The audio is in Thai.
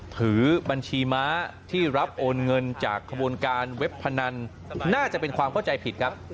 ถือบัญชีม้าที่รับโอนเงินจากขบวนการเว็บพนันน่าจะเป็นความเข้าใจผิดครับ